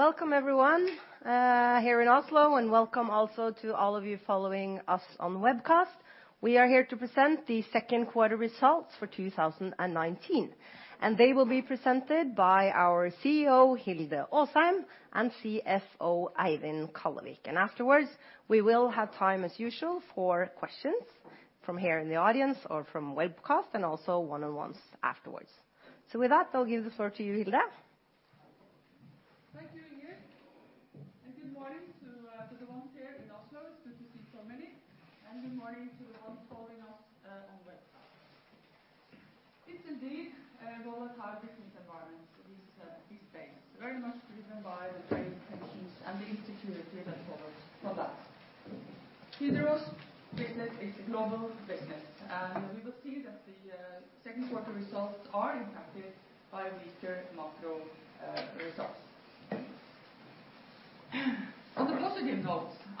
Welcome everyone here in Oslo, and welcome also to all of you following us on webcast. We are here to present the second quarter results for 2019. They will be presented by our CEO, Hilde Aasheim, and CFO, Eivind Kallevik. Afterwards, we will have time, as usual, for questions from here in the audience or from webcast, and also one-on-ones afterwards. With that, I'll give the floor to you, Hilde. Thank you, Inger. Good morning to the ones here in Oslo. It is good to see so many. Good morning to the ones following us on webcast. It is indeed a volatile business environment these days, very much driven by the trade tensions and the insecurity that follows from that. Hydro's business is a global business, and we will see that the second quarter results are impacted by weaker macro results. On a positive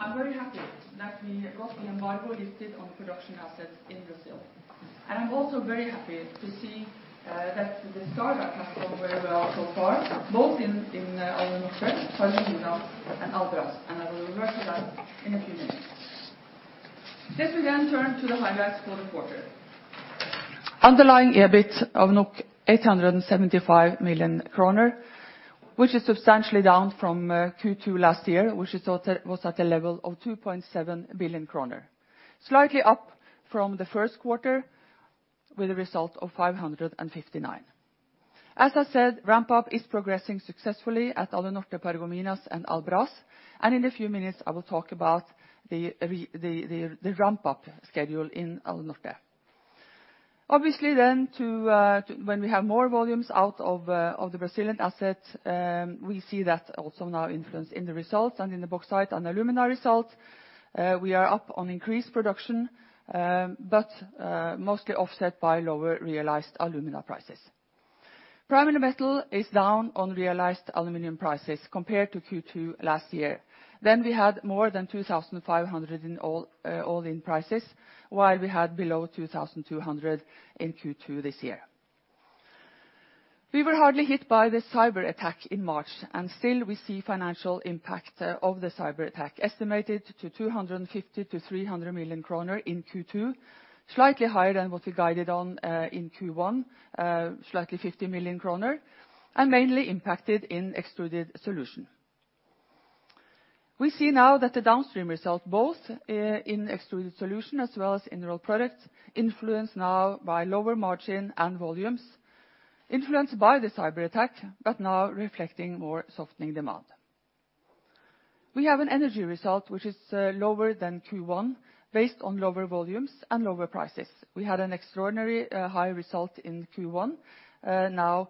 note, I am very happy that we got the embargo lifted on production assets in Brazil. I am also very happy to see that the startup has gone very well so far, both in Alunorte, Paragominas, and Albras, and I will refer to that in a few minutes. Let me turn to the highlights for the quarter. Underlying EBIT of 875 million kroner, which is substantially down from Q2 last year, which was at a level of 2.7 billion kroner. Slightly up from the first quarter, with a result of 559 million. As I said, ramp-up is progressing successfully at Alunorte, Paragominas, and Albras, and in a few minutes, I will talk about the ramp-up schedule in Alunorte. Obviously, when we have more volumes out of the Brazilian asset, we see that also now influence in the results and in the Bauxite & Alumina results. We are up on increased production, but mostly offset by lower realized alumina prices. Primary Metal is down on realized aluminum prices compared to Q2 last year. We had more than 2,500 in all-in prices, while we had below 2,200 in Q2 this year. We were hardly hit by the cyber attack in March, and still we see financial impact of the cyber attack, estimated to 250 million-300 million kroner in Q2, slightly higher than what we guided on in Q1, 50 million kroner, and mainly impacted in Extruded Solutions. We see now that the downstream results, both in Extruded Solutions as well as in Rolled Products, influenced now by lower margin and volumes influenced by the cyber attack, but now reflecting more softening demand. We have an energy result, which is lower than Q1 based on lower volumes and lower prices. We had an extraordinary high result in Q1, now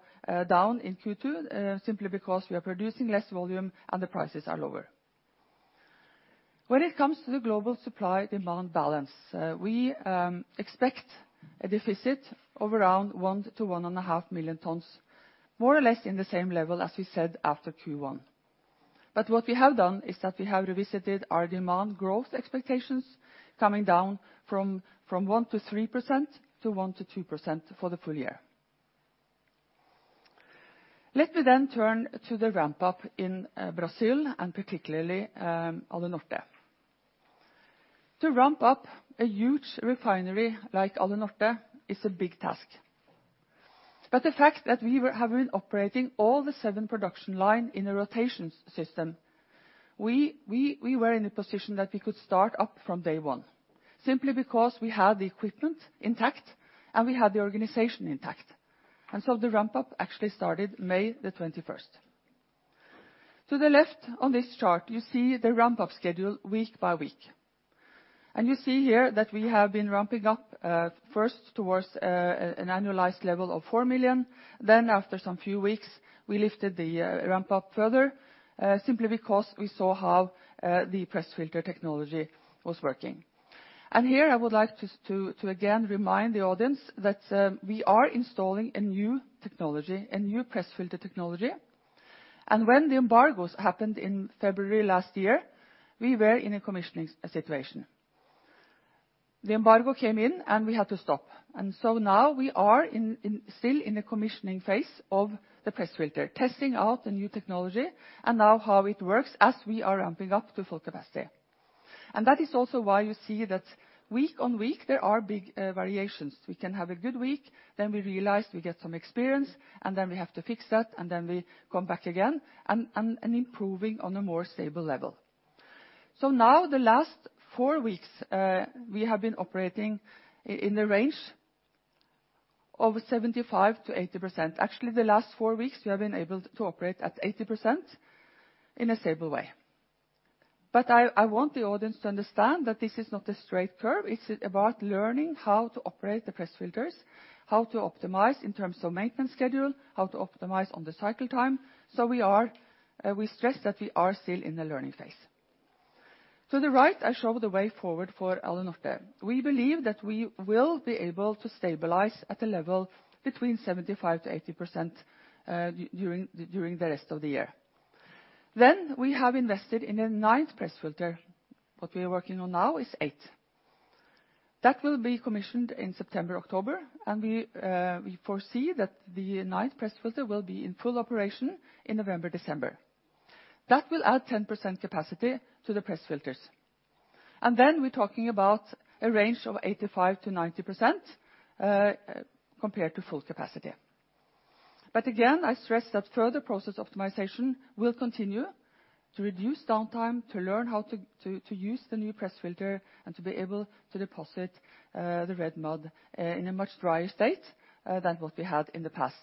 down in Q2, simply because we are producing less volume and the prices are lower. When it comes to the global supply-demand balance, we expect a deficit of around one to 1.5 million tons, more or less in the same level as we said after Q1. What we have done is that we have revisited our demand growth expectations, coming down from 1%-3% to 1%-2% for the full year. Let me turn to the ramp-up in Brazil and particularly Alunorte. To ramp up a huge refinery like Alunorte is a big task. The fact that we have been operating all the seven production line in a rotation system, we were in a position that we could start up from day one simply because we had the equipment intact and we had the organization intact. The ramp-up actually started May the 21st. To the left on this chart, you see the ramp-up schedule week by week. You see here that we have been ramping up first towards an annualized level of 4 million. After some few weeks, we lifted the ramp-up further, simply because we saw how the press filter technology was working. Here, I would like just to again remind the audience that we are installing a new technology, a new press filter technology. When the embargoes happened in February last year, we were in a commissioning situation. The embargo came in, and we had to stop. Now we are still in a commissioning phase of the press filter, testing out the new technology and now how it works as we are ramping up to full capacity. That is also why you see that week on week, there are big variations. We can have a good week. We realize we get some experience, we have to fix that, we come back again and improving on a more stable level. Now the last four weeks, we have been operating in the range of 75%-80%. Actually, the last four weeks, we have been able to operate at 80% in a stable way. I want the audience to understand that this is not a straight curve. It's about learning how to operate the press filters, how to optimize in terms of maintenance schedule, how to optimize on the cycle time. We stress that we are still in a learning phase. To the right, I show the way forward for Alunorte. We believe that we will be able to stabilize at a level between 75%-80% during the rest of the year. We have invested in a ninth press filter. What we are working on now is eight. We foresee that the ninth press filter will be in full operation in November, December. That will add 10% capacity to the press filters. Then we're talking about a range of 85%-90% compared to full capacity. Again, I stress that further process optimization will continue to reduce downtime, to learn how to use the new press filter, and to be able to deposit the red mud in a much drier state than what we had in the past.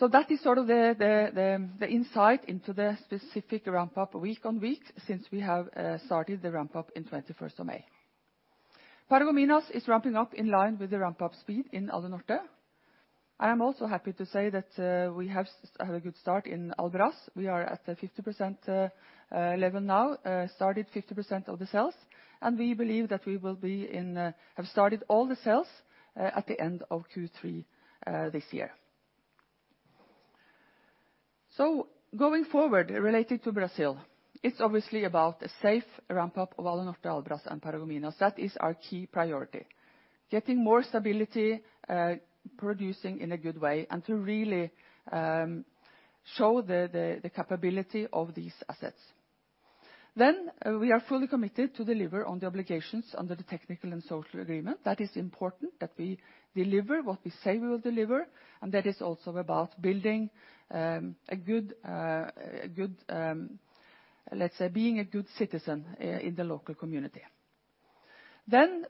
That is sort of the insight into the specific ramp-up week on week since we have started the ramp-up on 21st of May. Paragominas is ramping up in line with the ramp-up speed in Alunorte. I am also happy to say that we have had a good start in Albras. We are at the 50% level now, started 50% of the cells, and we believe that we will have started all the cells at the end of Q3 this year. Going forward, related to Brazil, it's obviously about a safe ramp-up of Alunorte, Albras, and Paragominas. That is our key priority, getting more stability, producing in a good way, and to really show the capability of these assets. We are fully committed to deliver on the obligations under the technical and social agreement. That is important that we deliver what we say we will deliver, and that is also about building a good, let's say, being a good citizen in the local community.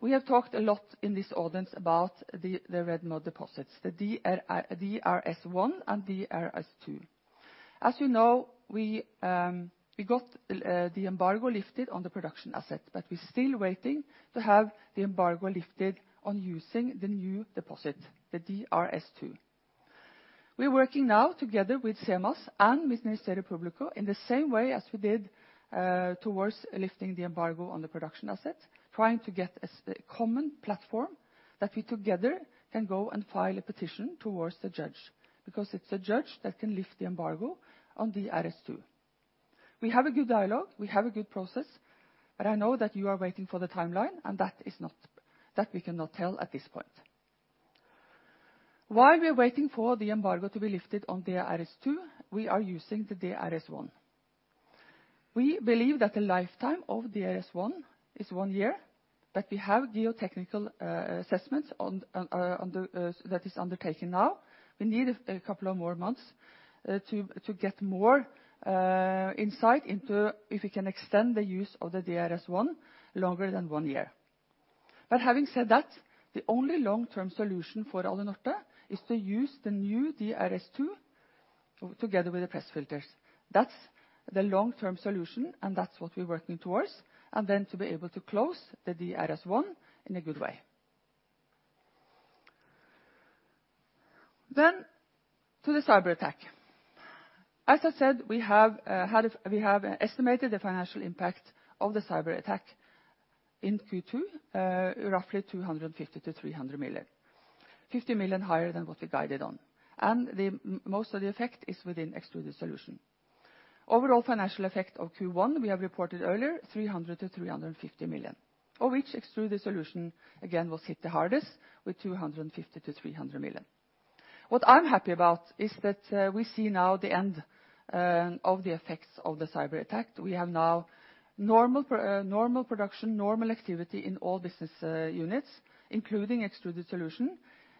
We have talked a lot in this audience about the red mud deposits, the DRS1 and DRS2. As you know, we got the embargo lifted on the production asset, we're still waiting to have the embargo lifted on using the new deposit, the DRS2. We're working now together with SEMAS and with Ministério Público in the same way as we did towards lifting the embargo on the production asset, trying to get a common platform that we together can go and file a petition towards the judge, because it's a judge that can lift the embargo on DRS2. We have a good dialogue, we have a good process, I know that you are waiting for the timeline, and that we cannot tell at this point. While we are waiting for the embargo to be lifted on DRS2, we are using the DRS1. We believe that the lifetime of DRS1 is one year, we have geotechnical assessments that is undertaken now. We need a couple of more months to get more insight into if we can extend the use of the DRS1 longer than one year. Having said that, the only long-term solution for Alunorte is to use the new DRS2 together with the press filters. That's the long-term solution, and that's what we're working towards, and then to be able to close the DRS1 in a good way. To the cyberattack. As I said, we have estimated the financial impact of the cyberattack in Q2, roughly 250 million-300 million, 50 million higher than what we guided on. Most of the effect is within Extruded Solutions. Overall financial effect of Q1, we have reported earlier, 300 million-350 million, of which Extruded Solutions again was hit the hardest with 250 million-300 million. What I am happy about is that we see now the end of the effects of the cyberattack. We have now normal production, normal activity in all business units, including Extruded Solutions,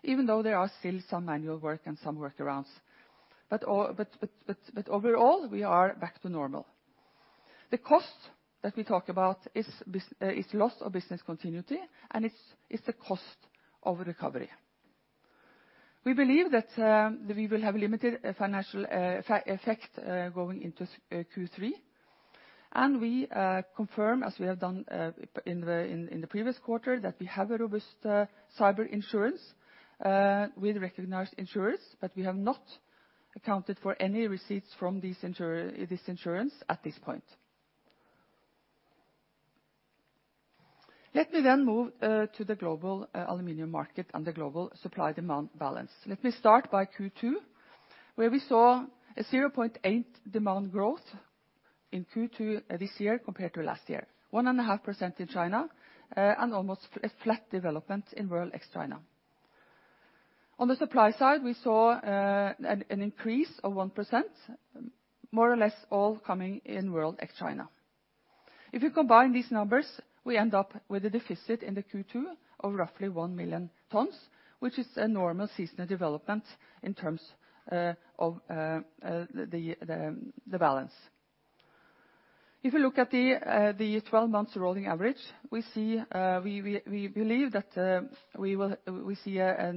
even though there are still some manual work and some workarounds. Overall, we are back to normal. The cost that we talk about is loss of business continuity, and it is the cost of recovery. We believe that we will have a limited financial effect going into Q3, and we confirm, as we have done in the previous quarter, that we have a robust cyber insurance with recognized insurers, but we have not accounted for any receipts from this insurance at this point. Let me then move to the global aluminum market and the global supply-demand balance. Let me start by Q2, where we saw a 0.8x demand growth in Q2 this year compared to last year, 1.5% in China, and almost a flat development in world ex-China. On the supply side, we saw an increase of 1%, more or less all coming in world ex-China. If you combine these numbers, we end up with a deficit in the Q2 of roughly 1 million tons, which is a normal seasonal development in terms of the balance. If you look at the 12 months rolling average, we believe that we see a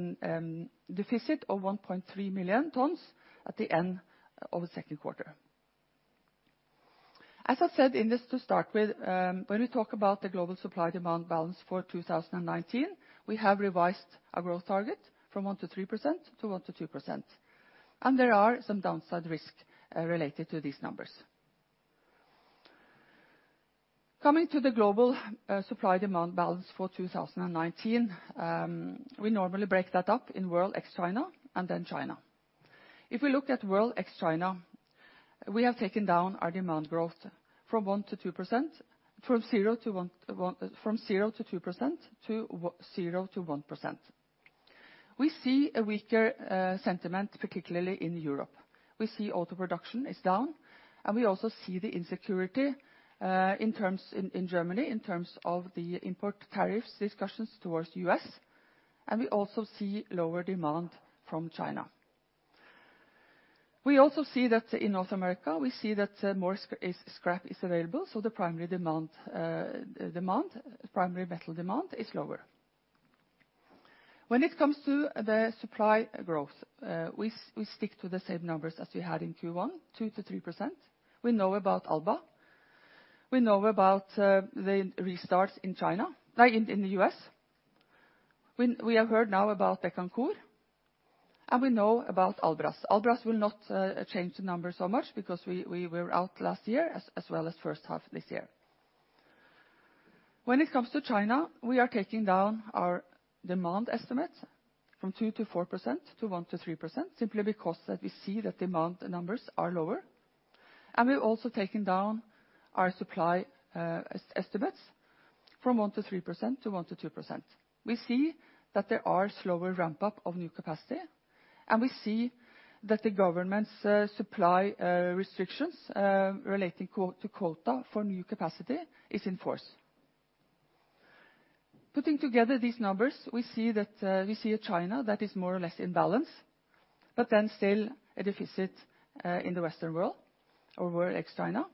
deficit of 1.3 million tons at the end of the second quarter. As I said in this to start with, when we talk about the global supply-demand balance for 2019, we have revised our growth target from 1%-3% to 1%-2%. There are some downside risk related to these numbers. Coming to the global supply-demand balance for 2019. We normally break that up in world ex China and then China. If we look at world ex China, we have taken down our demand growth from 0%-2% to 0%-1%. We see a weaker sentiment, particularly in Europe. We see auto production is down, and we also see the insecurity in Germany in terms of the import tariffs discussions towards U.S., and we also see lower demand from China. We also see that in North America, we see that more scrap is available, so the primary metal demand is lower. When it comes to the supply growth, we stick to the same numbers as we had in Q1, 2%-3%. We know about Alba. We know about the restarts in the U.S. We have heard now about Becancour, and we know about Albras. Albras will not change the number so much because we were out last year as well as first half this year. When it comes to China, we are taking down our demand estimates from 2%-4% to 1%-3%, simply because that we see that demand numbers are lower, and we're also taking down our supply estimates from 1%-3% to 1%-2%. We see that there are slower ramp-up of new capacity, and we see that the government's supply restrictions relating to quota for new capacity is in force. Putting together these numbers, we see China that is more or less in balance, still a deficit in the Western world or world ex China,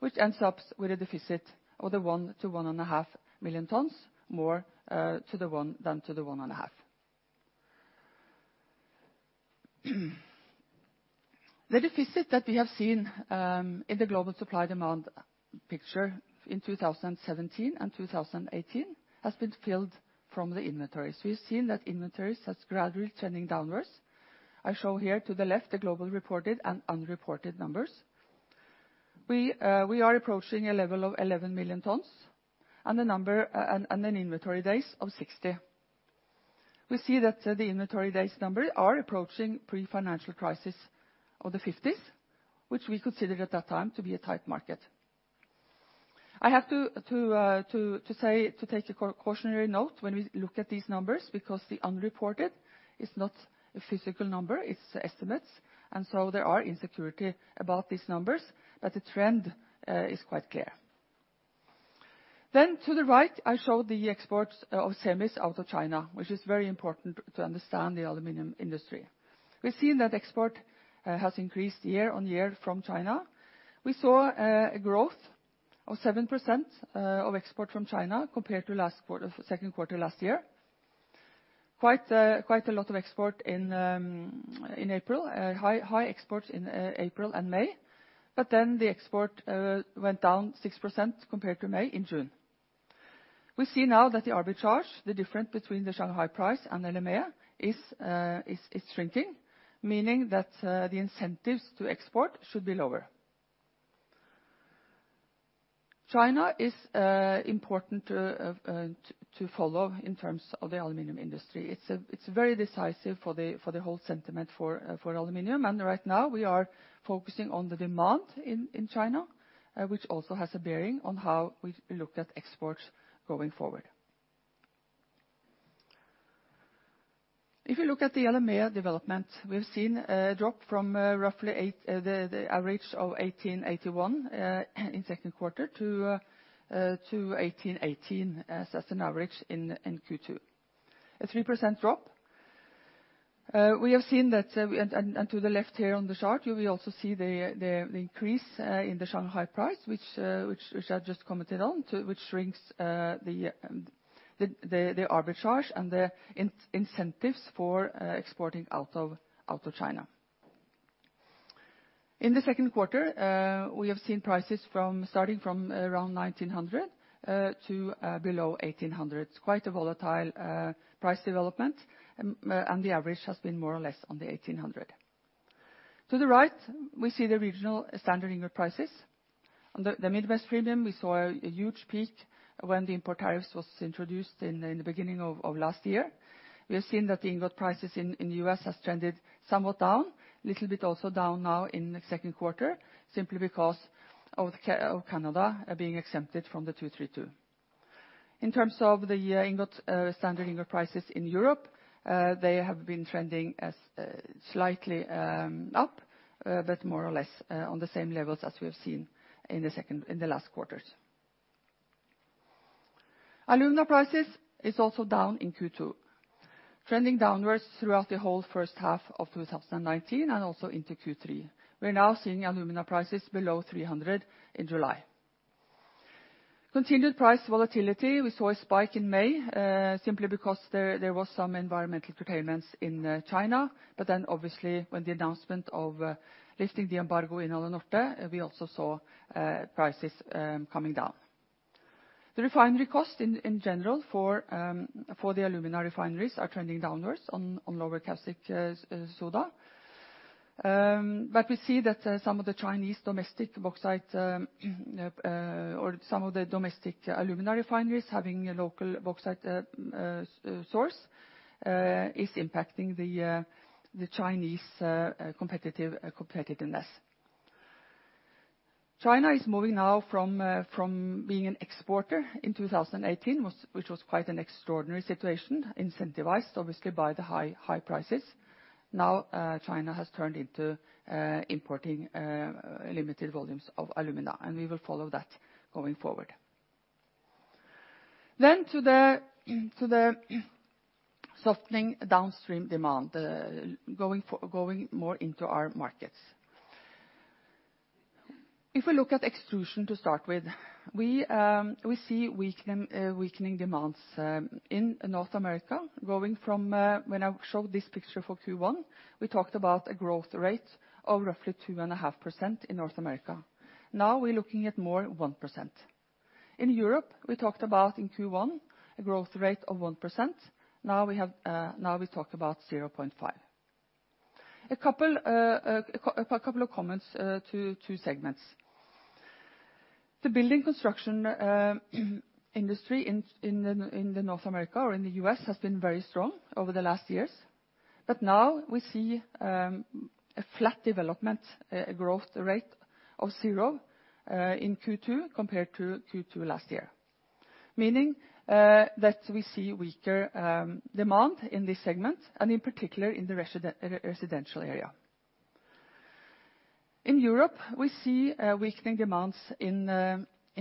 which ends up with a deficit of 1 million to 1.5 million tons, more to the 1 million than to the 1.5 million. The deficit that we have seen in the global supply-demand picture in 2017 and 2018 has been filled from the inventories. We've seen that inventories have gradually trending downwards. I show here to the left the global reported and unreported numbers. We are approaching a level of 11 million tons and an inventory days of 60. We see that the inventory days number is approaching pre-financial crisis of the 50s, which we considered at that time to be a tight market. I have to take a cautionary note when we look at these numbers, because the unreported is not a physical number, it's estimates, and so there are insecurity about these numbers, but the trend is quite clear. To the right, I show the exports of semis out of China, which is very important to understand the aluminum industry. We've seen that export has increased year-on-year from China. We saw a growth of 7% of export from China compared to second quarter last year. Quite a lot of export in April. High export in April and May, but then the export went down 6% compared to May in June. We see now that the arbitrage, the difference between the Shanghai price and LME is shrinking, meaning that the incentives to export should be lower. China is important to follow in terms of the aluminum industry. It's very decisive for the whole sentiment for aluminum. Right now we are focusing on the demand in China, which also has a bearing on how we look at exports going forward. If you look at the LME development, we've seen a drop from roughly the average of 1,881 in second quarter to 1,818 as an average in Q2. A 3% drop. To the left here on the chart, you will also see the increase in the Shanghai price, which I've just commented on, which shrinks the arbitrage and the incentives for exporting out of China. In the second quarter, we have seen prices starting from around 1,900 to below 1,800. Quite a volatile price development. The average has been more or less on the 1,800. To the right, we see the regional standard ingot prices. On the Midwest premium, we saw a huge peak when the import tariffs was introduced in the beginning of last year. We have seen that the ingot prices in the U.S. has trended somewhat down, little bit also down now in the second quarter, simply because of Canada being exempted from the 232. In terms of the standard ingot prices in Europe, they have been trending slightly up, but more or less on the same levels as we have seen in the last quarters. Alumina prices is also down in Q2, trending downwards throughout the whole first half of 2019 and also into Q3. We are now seeing alumina prices below $300 in July. Continued price volatility. We saw a spike in May, simply because there was some environmental curtailments in China, but then obviously when the announcement of lifting the embargo in Alunorte, we also saw prices coming down. The refinery cost in general for the alumina refineries are trending downwards on lower caustic soda. We see that some of the Chinese domestic bauxite, or some of the domestic alumina refineries having a local bauxite source is impacting the Chinese competitiveness. China is moving now from being an exporter. In 2018, which was quite an extraordinary situation, incentivized obviously by the high prices. China has turned into importing limited volumes of alumina, and we will follow that going forward. To the softening downstream demand, going more into our markets. If we look at extrusion to start with, we see weakening demands in North America. When I showed this picture for Q1, we talked about a growth rate of roughly 2.5% in North America. We're looking at more than 1%. In Europe, we talked about in Q1, a growth rate of 1%. We talk about 0.5%. A couple of comments to two segments. The building construction industry in North America or in the U.S. has been very strong over the last years. Now we see a flat development, a growth rate of zero in Q2 compared to Q2 last year. Meaning that we see weaker demand in this segment and in particular in the residential area. In Europe, we see weakening demands in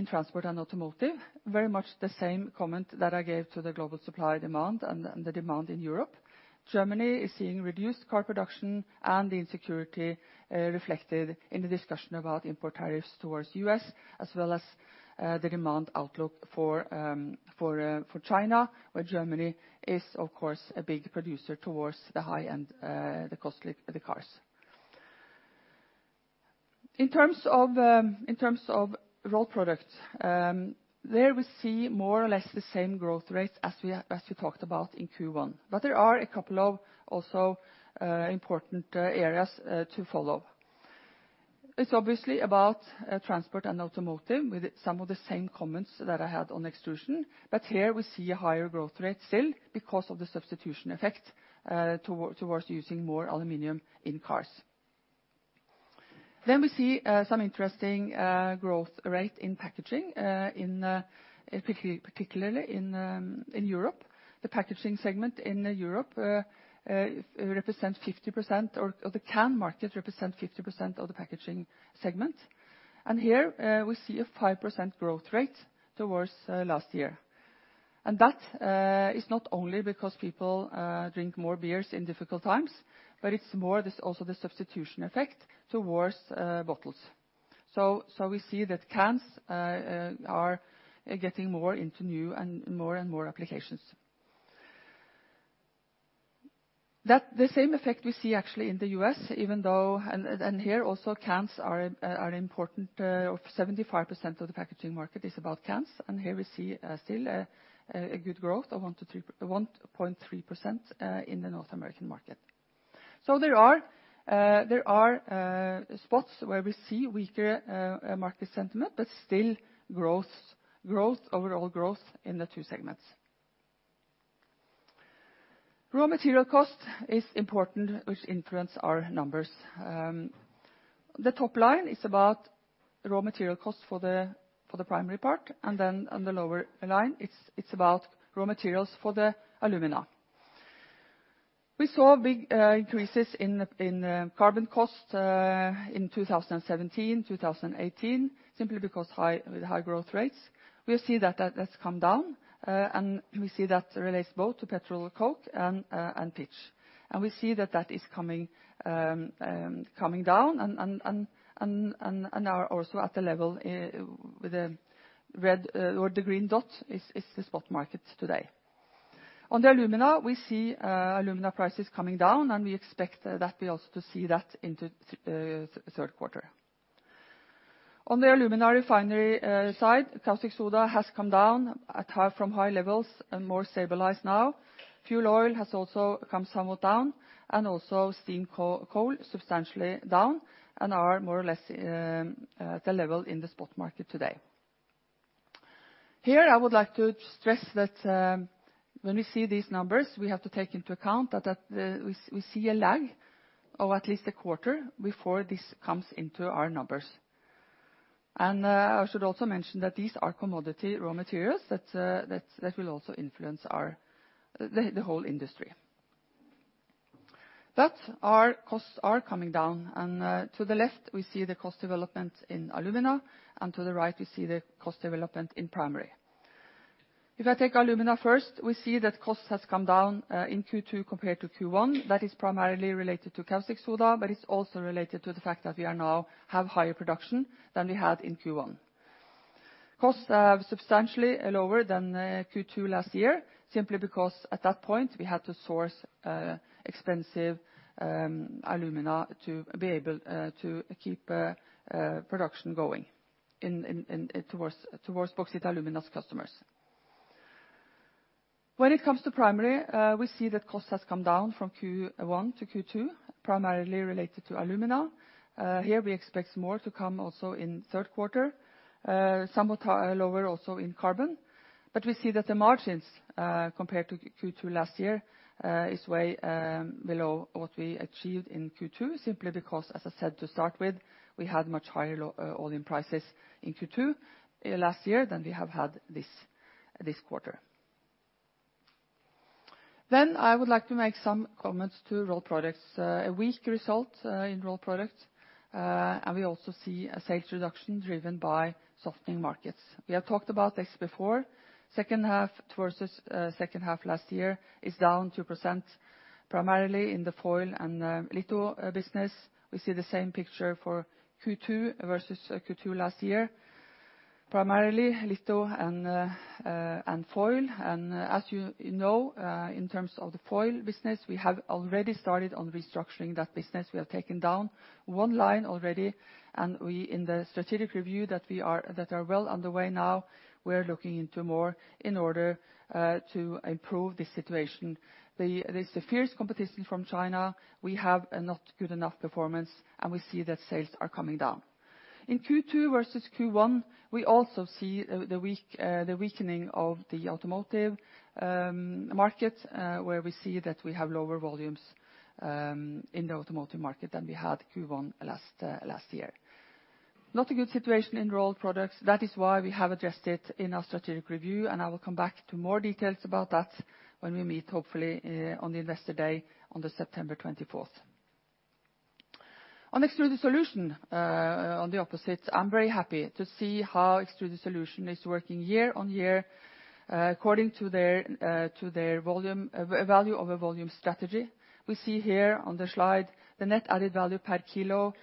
transport and automotive, very much the same comment that I gave to the global supply demand and the demand in Europe. Germany is seeing reduced car production and the insecurity reflected in the discussion about import tariffs towards U.S., as well as the demand outlook for China, where Germany is, of course, a big producer towards the high-end, the costly cars. In terms of Rolled Products, there we see more or less the same growth rates as we talked about in Q1. There are a couple of also important areas to follow. It is obviously about transport and automotive with some of the same comments that I had on Extrusion. Here we see a higher growth rate still because of the substitution effect towards using more aluminum in cars. Then we see some interesting growth rate in packaging, particularly in Europe. The packaging segment in Europe represents 50%, or the can market represents 50% of the packaging segment. Here we see a 5% growth rate towards last year. That is not only because people drink more beers in difficult times, but it is more this also the substitution effect towards bottles. So we see that cans are getting more into new and more and more applications. The same effect we see actually in the U.S. Here also cans are important, or 75% of the packaging market is about cans. Here we see still a good growth of 1.3% in the North American market. There are spots where we see weaker market sentiment, but still overall growth in the two segments. Raw material cost is important, which influence our numbers. The top line is about raw material cost for the Primary Metal part, and then on the lower line, it's about raw materials for the alumina. We saw big increases in carbon cost in 2017, 2018. We see that that's come down, and we see that relates both to petroleum coke and pitch. We see that that is coming down and are also at the level with the green dot is the spot market today. On the alumina, we see alumina prices coming down. We expect that we also to see that into third quarter. On the alumina refinery side, caustic soda has come down from high levels and more stabilized now. Fuel oil has also come somewhat down. Also steam coal substantially down and are more or less at a level in the spot market today. Here I would like to stress that when we see these numbers, we have to take into account that we see a lag of at least a quarter before this comes into our numbers. I should also mention that these are commodity raw materials that will also influence the whole industry. Our costs are coming down. To the left, we see the cost development in alumina, and to the right, we see the cost development in primary. If I take alumina first, we see that cost has come down in Q2 compared to Q1. That is primarily related to caustic soda, but it's also related to the fact that we now have higher production than we had in Q1. Costs are substantially lower than Q2 last year, simply because at that point, we had to source expensive alumina to be able to keep production going towards Bauxite & Alumina's customers. When it comes to primary, we see that cost has come down from Q1 to Q2, primarily related to alumina. Here, we expect some more to come also in the third quarter. Somewhat lower also in carbon. We see that the margins, compared to Q2 last year, is way below what we achieved in Q2, simply because, as I said to start with, we had much higher all-in prices in Q2 last year than we have had this quarter. I would like to make some comments to Rolled Products. A weak result in Rolled Products, and we also see a sales reduction driven by softening markets. We have talked about this before. Second half versus second half last year is down 2%, primarily in the foil and litho business. We see the same picture for Q2 versus Q2 last year, primarily litho and foil. As you know, in terms of the foil business, we have already started on restructuring that business. We have taken down one line already, and we, in the strategic review that are well underway now, we are looking into more in order to improve this situation. There's a fierce competition from China. We have a not good enough performance, and we see that sales are coming down. In Q2 versus Q1, we also see the weakening of the automotive market, where we see that we have lower volumes in the automotive market than we had Q1 last year. Not a good situation in Rolled Products. That is why we have addressed it in our strategic review, and I will come back to more details about that when we meet, hopefully, on the Investor Day on the September 24th, 2019. On Extruded Solutions, on the opposite, I'm very happy to see how Extruded Solutions is working year-on-year according to their value over volume strategy. We see here on the slide the net added value per kilo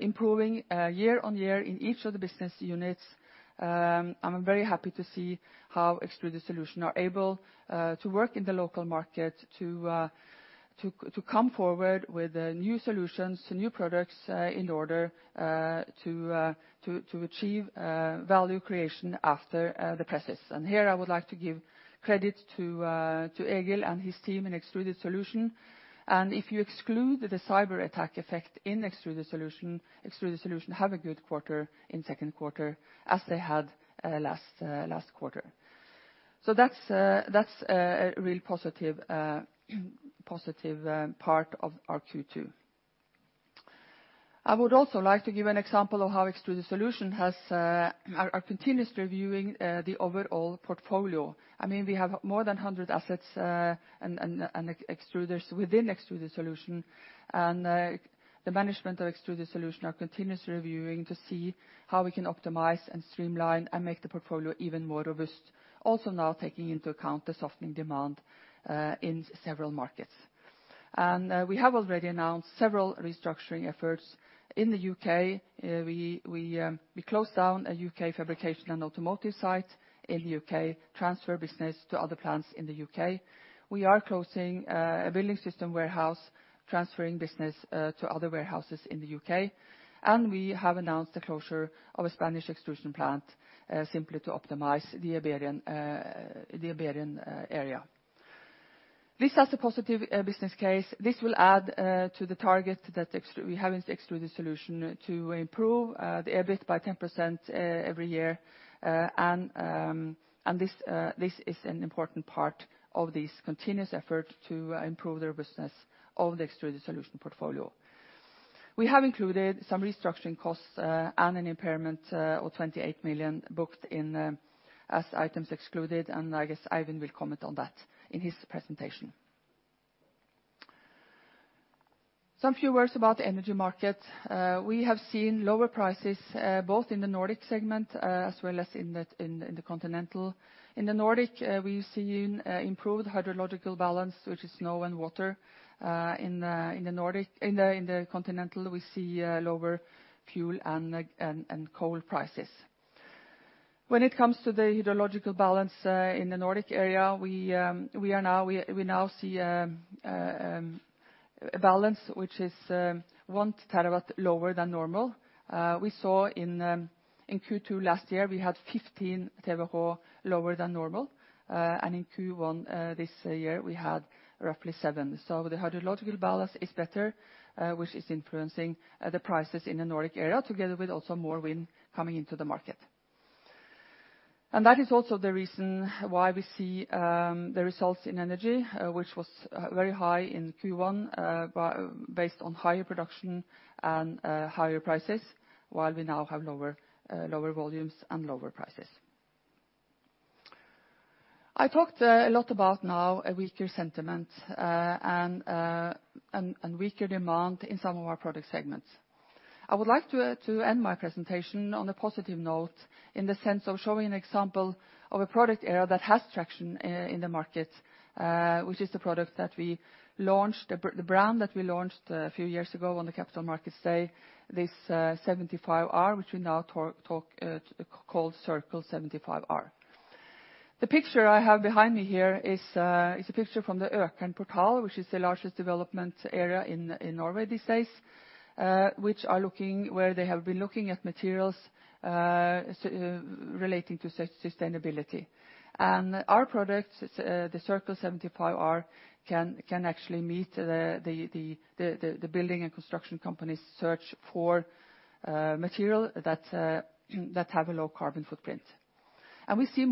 improving year-on-year in each of the business units. I'm very happy to see how Extruded Solutions are able to work in the local market to come forward with new solutions to new products in order to achieve value creation after the crisis. Here I would like to give credit to Egil and his team in Extruded Solutions. If you exclude the cyberattack effect in Extruded Solutions, Extruded Solutions have a good quarter in second quarter as they had last quarter. That's a real positive part of our Q2. I would also like to give an example of how Extruded Solutions are continuously reviewing the overall portfolio. We have more than 100 assets and extruders within Extruded Solutions. The management of Extruded Solutions are continuously reviewing to see how we can optimize and streamline and make the portfolio even more robust. Now taking into account the softening demand in several markets. We have already announced several restructuring efforts. In the U.K., we closed down a U.K. fabrication and automotive site in the U.K., transfer business to other plants in the U.K. We are closing a building system warehouse, transferring business to other warehouses in the U.K. We have announced the closure of a Spanish extrusion plant simply to optimize the Iberian area. This has a positive business case. This will add to the target that we have in Extruded Solutions to improve the EBIT by 10% every year. This is an important part of this continuous effort to improve their business of the Extruded Solutions portfolio. We have included some restructuring costs and an impairment of 28 million booked in as items excluded, and I guess Eivind will comment on that in his presentation. Some few words about the energy market. We have seen lower prices both in the Nordic segment as well as in the Continental. In the Nordic, we've seen improved hydrological balance, which is snow and water. In the Continental, we see lower fuel and coal prices. When it comes to the hydrological balance in the Nordic area, we now see a balance which is one terawatt lower than normal. We saw in Q2 last year, we had 15 TWh lower than normal. In Q1 this year, we had roughly seven. The hydrological balance is better, which is influencing the prices in the Nordic area, together with also more wind coming into the market. That is also the reason why we see the results in energy, which was very high in Q1 based on higher production and higher prices, while we now have lower volumes and lower prices. I talked a lot about now a weaker sentiment and weaker demand in some of our product segments. I would like to end my presentation on a positive note in the sense of showing an example of a product area that has traction in the market, which is the brand that we launched a few years ago on the Capital Markets Day, this 75R, which we now call CIRCAL 75R. The picture I have behind me here is a picture from the Økern Portal, which is the largest development area in Norway these days, where they have been looking at materials relating to sustainability. Our product, the CIRCAL 75R, can actually meet the building and construction company's search for material that have a low carbon footprint. We see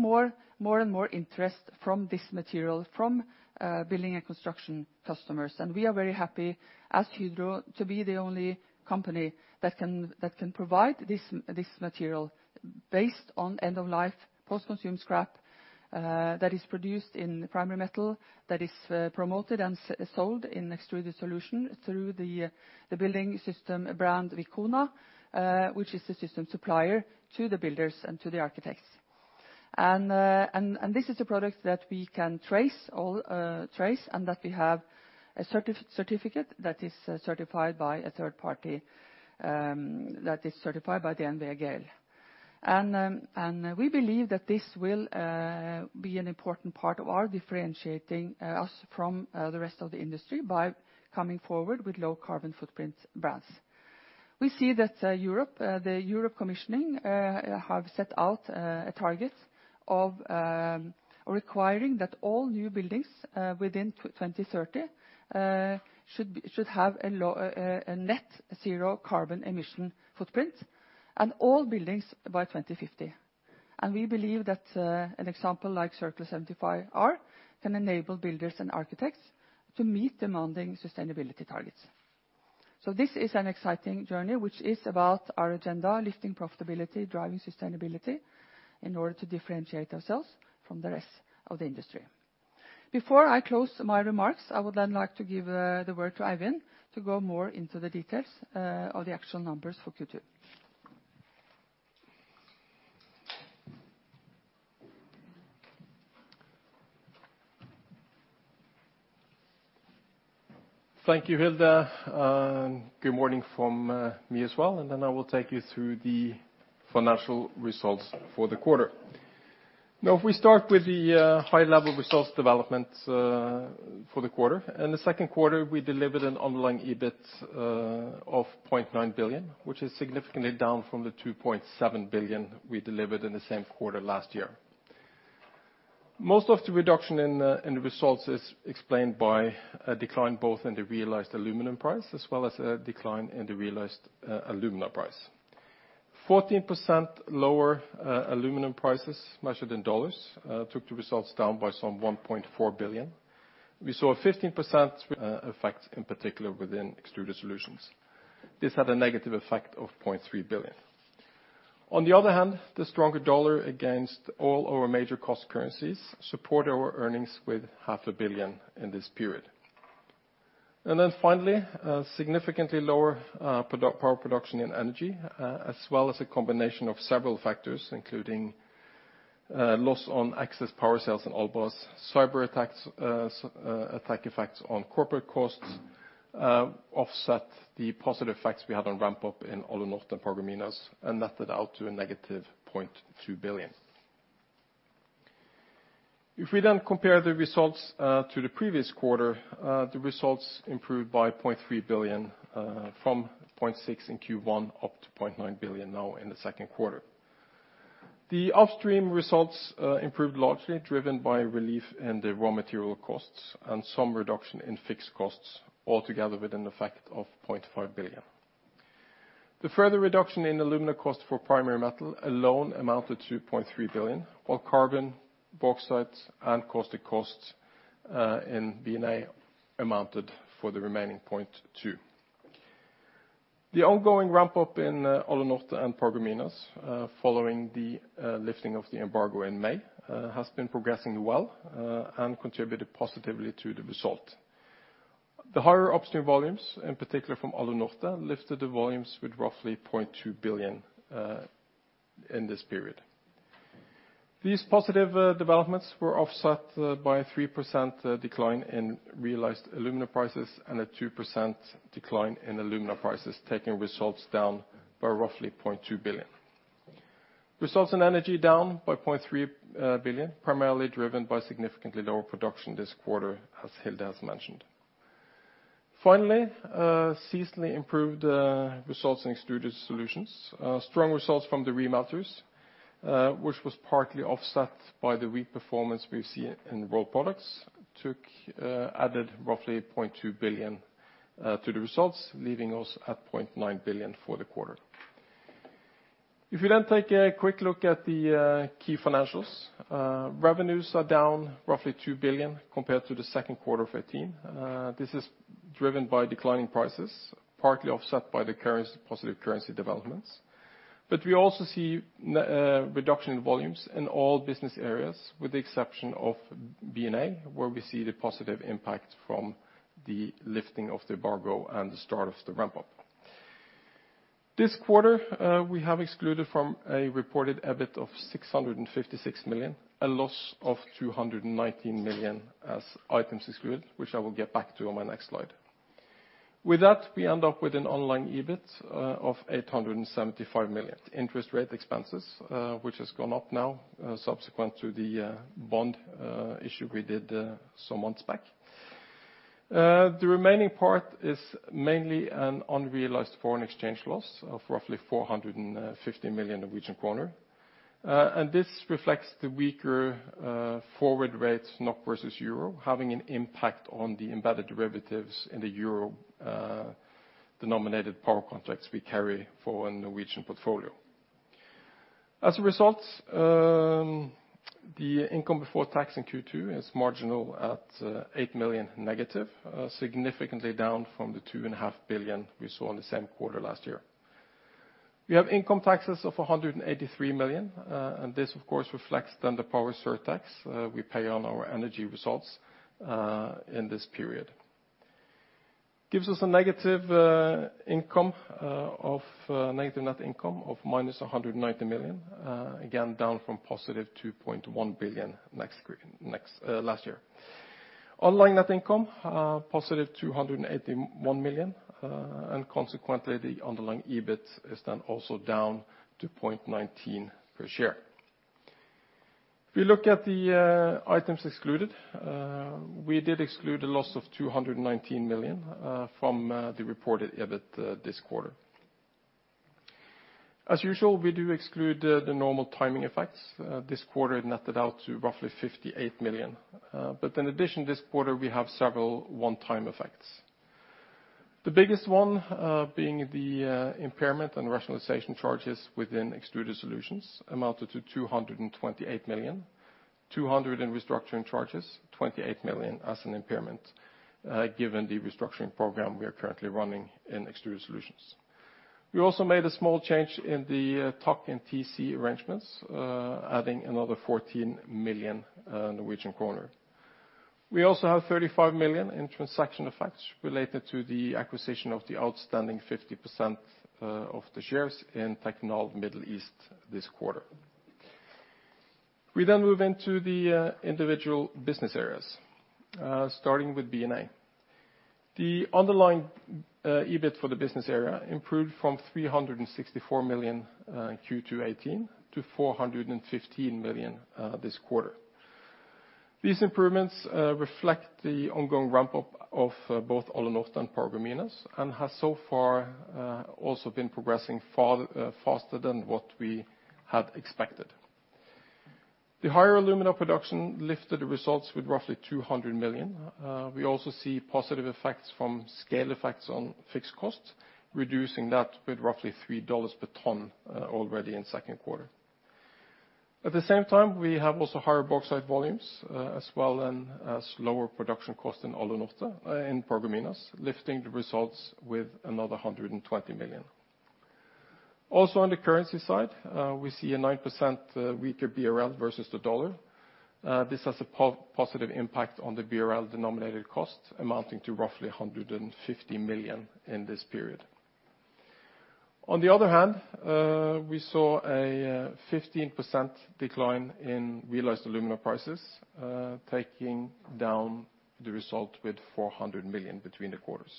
more and more interest from this material from building and construction customers. We are very happy as Hydro to be the only company that can provide this material based on end-of-life post-consumer scrap that is produced in Primary Metal, that is promoted and sold in Extruded Solutions through the building system brand WICONA, which is the system supplier to the builders and to the architects. This is a product that we can trace and that we have a certificate that is certified by a third party, that is certified by the DNV GL. We believe that this will be an important part of our differentiating us from the rest of the industry by coming forward with low carbon footprint brands. We see that the European Commission have set out a target of requiring that all new buildings within 2030 should have a net zero carbon emission footprint, and all buildings by 2050. We believe that an example like CIRCAL 75R can enable builders and architects to meet demanding sustainability targets. This is an exciting journey which is about our agenda, lifting profitability, driving sustainability in order to differentiate ourselves from the rest of the industry. Before I close my remarks, I would then like to give the word to Eivind to go more into the details of the actual numbers for Q2. Thank you, Hilde. Good morning from me as well, and I will take you through the financial results for the quarter. If we start with the high-level results development for the quarter. In the second quarter, we delivered an underlying EBIT of 0.9 billion, which is significantly down from the 2.7 billion we delivered in the same quarter last year. Most of the reduction in the results is explained by a decline both in the realized aluminum price as well as a decline in the realized alumina price. 14% lower aluminum prices measured in dollars took the results down by some $1.4 billion. We saw a 15% effect in particular within Extruded Solutions. This had a negative effect of 0.3 billion. The stronger dollar against all our major cost currencies support our earnings with 500 million in this period. Finally, a significantly lower power production in energy, as well as a combination of several factors, including loss on excess power sales in Albras, cyber attack effects on corporate costs offset the positive effects we had on ramp-up in Alunorte and Paragominas, and netted out to a negative 0.2 billion. If we compare the results to the previous quarter, the results improved by 0.3 billion from 0.6 billion in Q1 up to 0.9 billion now in the second quarter. The upstream results improved largely driven by relief in the raw material costs and some reduction in fixed costs all together with an effect of 0.5 billion. The further reduction in alumina cost for Primary Metal alone amounted to 0.3 billion, while carbon, bauxite, and caustic costs in B&A amounted for the remaining 0.2 billion. The ongoing ramp-up in Alunorte and Paragominas, following the lifting of the embargo in May, has been progressing well and contributed positively to the result. The higher upstream volumes, in particular from Alunorte, lifted the volumes with roughly 0.2 billion in this period. These positive developments were offset by a 3% decline in realized alumina prices and a 2% decline in alumina prices, taking results down by roughly 0.2 billion. Results in energy down by 0.3 billion, primarily driven by significantly lower production this quarter, as Hilde has mentioned. Finally, seasonally improved results in Extruded Solutions. Strong results from the remelters, which was partly offset by the weak performance we've seen in Rolled Products, added roughly 0.2 billion to the results, leaving us at 0.9 billion for the quarter. If you take a quick look at the key financials, revenues are down roughly 2 billion compared to the second quarter of 2018. This is driven by declining prices, partly offset by the positive currency developments. We also see a reduction in volumes in all business areas, with the exception of B&A, where we see the positive impact from the lifting of the embargo and the start of the ramp-up. This quarter, we have excluded from a reported EBIT of 656 million, a loss of 219 million as items excluded, which I will get back to on my next slide. With that, we end up with an underlying EBIT of 875 million. Interest rate expenses, which has gone up now subsequent to the bond issue we did some months back. The remaining part is mainly an unrealized foreign exchange loss of roughly 450 million Norwegian kroner. This reflects the weaker forward rates, NOK versus EUR, having an impact on the embedded derivatives in the euro-denominated power contracts we carry for our Norwegian portfolio. As a result, the income before tax in Q2 is marginal at 8 million negative, significantly down from the 2.5 billion we saw in the same quarter last year. We have income taxes of 183 million. This, of course, reflects then the power surtax we pay on our energy results in this period. Gives us a negative net income of -190 million, again, down from positive 2.1 billion last year. Online net income, positive 281 million. Consequently, the underlying EBIT is then also down to 0.19 per share. If we look at the items excluded, we did exclude a loss of 219 million from the reported EBIT this quarter. As usual, we do exclude the normal timing effects. This quarter it netted out to roughly 58 million. In addition, this quarter we have several one-time effects. The biggest one being the impairment and rationalization charges within Extruded Solutions amounted to 228 million. 200 million in restructuring charges, 28 million as an impairment, given the restructuring program we are currently running in Extruded Solutions. We also made a small change in the TOC and TC arrangements, adding another 14 million Norwegian kroner. We also have 35 million in transaction effects related to the acquisition of the outstanding 50% of the shares in Technal Middle East this quarter. We move into the individual business areas, starting with B&A. The underlying EBIT for the business area improved from 364 million in Q2 2018 to 415 million this quarter. These improvements reflect the ongoing ramp-up of both Alunorte and Paragominas, has so far also been progressing faster than what we had expected. The higher alumina production lifted the results with roughly 200 million. We also see positive effects from scale effects on fixed costs, reducing that with roughly NOK 3 per ton already in second quarter. At the same time, we have also higher bauxite volumes, as well as lower production cost in Paragominas, lifting the results with another 120 million. On the currency side, we see a 9% weaker BRL versus the U.S. dollar. This has a positive impact on the BRL-denominated cost, amounting to roughly 150 million in this period. On the other hand, we saw a 15% decline in realized alumina prices, taking down the result with 400 million between the quarters.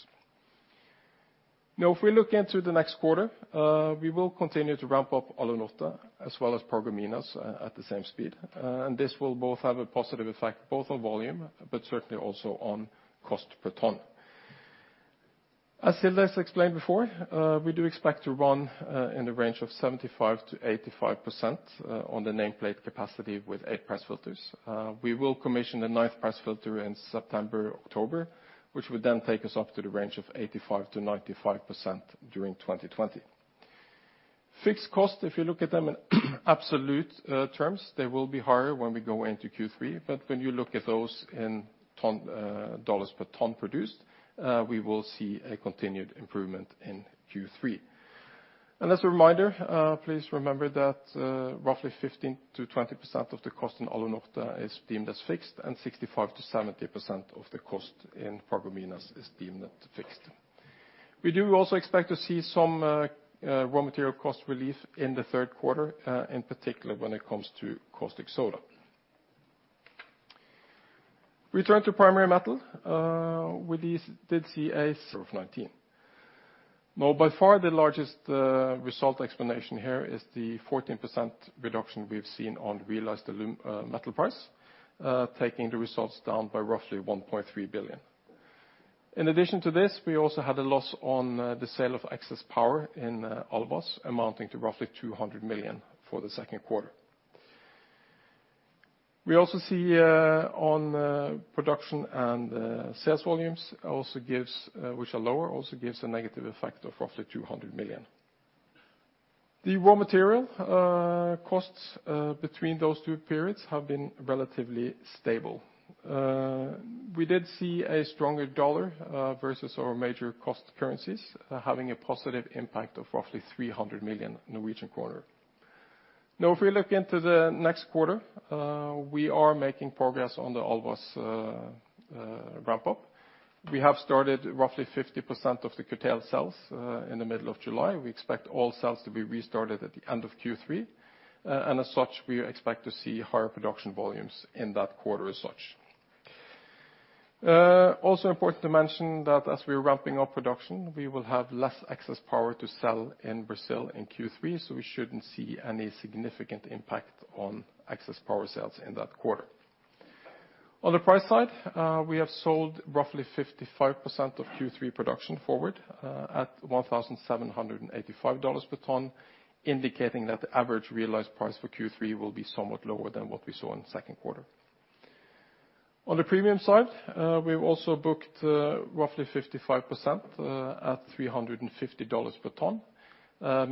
If we look into the next quarter, we will continue to ramp up Alunorte as well as Paragominas at the same speed. This will both have a positive effect both on volume, but certainly also on cost per ton. As Hilde has explained before, we do expect to run in the range of 75%-85% on the nameplate capacity with eight press filters. We will commission the ninth press filter in September or October, which would then take us up to the range of 85%-95% during 2020. Fixed cost, if you look at them in absolute terms, they will be higher when we go into Q3. When you look at those in USD per ton produced, we will see a continued improvement in Q3. Please remember that roughly 15%-20% of the cost in Alunorte is deemed as fixed, and 65%-70% of the cost in Paragominas is deemed fixed. We do also expect to see some raw material cost relief in the third quarter, in particular when it comes to caustic soda. We turn to Primary Metal, where we did see a of 2019. By far the largest result explanation here is the 14% reduction we've seen on realized metal price, taking the results down by roughly 1.3 billion. In addition to this, we also had a loss on the sale of excess power in Albras, amounting to roughly 200 million for the second quarter. We also see on production and sales volumes, which are lower, also gives a negative effect of roughly 200 million. The raw material costs between those two periods have been relatively stable. We did see a stronger dollar versus our major cost currencies, having a positive impact of roughly 300 million Norwegian kroner. If we look into the next quarter, we are making progress on the Alunorte ramp-up. We have started roughly 50% of the curtailed cells in the middle of July. We expect all cells to be restarted at the end of Q3. As such, we expect to see higher production volumes in that quarter as such. Also important to mention that as we are ramping up production, we will have less excess power to sell in Brazil in Q3, we shouldn't see any significant impact on excess power sales in that quarter. On the price side, we have sold roughly 55% of Q3 production forward at $1,785 per ton, indicating that the average realized price for Q3 will be somewhat lower than what we saw in the second quarter. On the premium side, we've also booked roughly 55% at $350 per ton,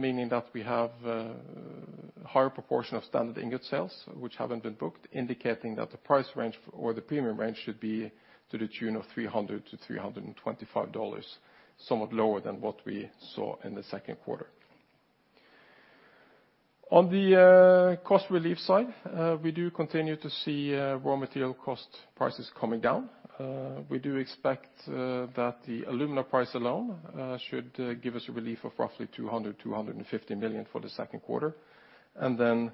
meaning that we have a higher proportion of standard ingot sales which haven't been booked, indicating that the price range or the premium range should be to the tune of $300-$325, somewhat lower than what we saw in the second quarter. On the cost relief side, we do continue to see raw material cost prices coming down. We do expect that the alumina price alone should give us a relief of roughly 200 million-250 million for the second quarter, and then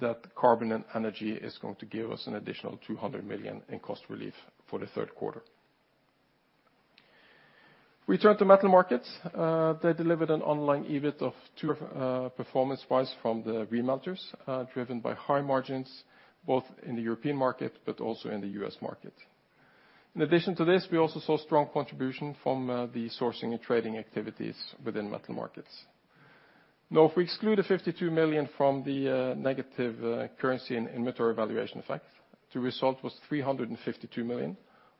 that carbon and energy is going to give us an additional 200 million in cost relief for the third quarter. We turn to Metal Markets. They delivered an online EBIT of two performance-wise from the remelters, driven by high margins both in the European market but also in the U.S. market. In addition to this, we also saw strong contribution from the sourcing and trading activities within Metal Markets. If we exclude the 52 million from the negative currency and inventory valuation effect, the result was 352 million,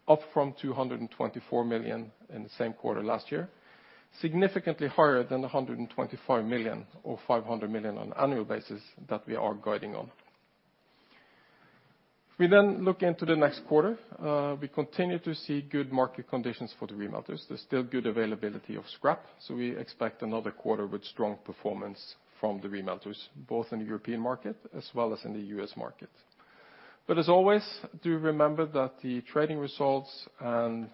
up from 224 million in the same quarter last year. Significantly higher than 125 million or 500 million on an annual basis that we are guiding on. We continue to see good market conditions for the remelters. There is still good availability of scrap. We expect another quarter with strong performance from the remelters, both in the European market as well as in the U.S. market. As always, do remember that the trading results and